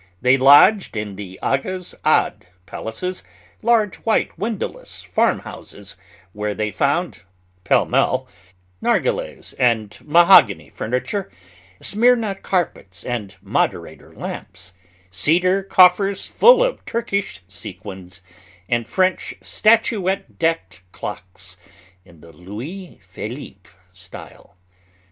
They lodged in the aghas' odd palaces, large white windowless farmhouses, where they found, pell mell, narghilehs and mahogany furniture, Smyrna carpets and moderator lamps, cedar coffers full of Turkish sequins, and French statuette decked clocks in the Louis Philippe style.